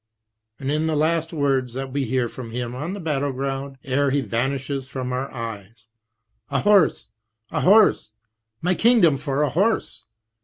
And in the last words that we hear from him on the battle field, ere he vanishes from our eyes :" A horse ! a horse ! my kingdom for a horse